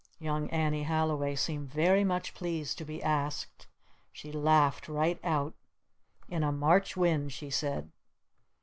Young Annie Halliway seemed very much pleased to be asked. She laughed right out. "In a March wind!" she said.